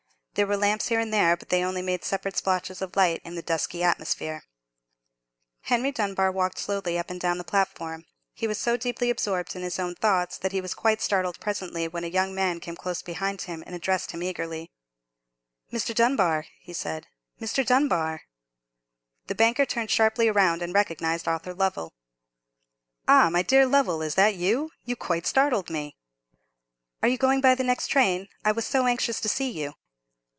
There were lamps here and there, but they only made separate splotches of light in the dusky atmosphere. Henry Dunbar walked slowly up and down the platform. He was so deeply absorbed by his own thoughts that he was quite startled presently when a young man came close behind him, and addressed him eagerly. "Mr. Dunbar," he said; "Mr. Dunbar!" The banker turned sharply round, and recognized Arthur Lovell. "Ah! my dear Lovell, is that you? You quite startled me." "Are you going by the next train? I was so anxious to see you."